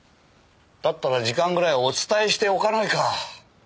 だったら時間ぐらいお伝えしておかないか。